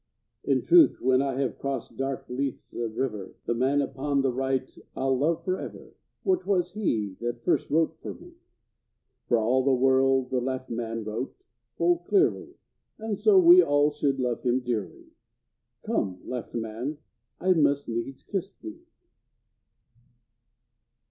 In truth, when I have crossed dark Lethe's river, The man upon the right I'll love forever, For 'twas he first that wrote for me. For all the world the left man wrote, full clearly, And so we all should love him dearly; Come, left man! I must needs kiss thee!